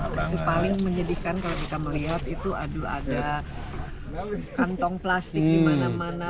itu paling menyedihkan kalau kita melihat itu aduh ada kantong plastik di mana mana